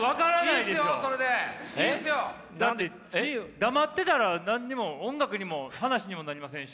黙ってたら何にも音楽にも話にもなりませんし。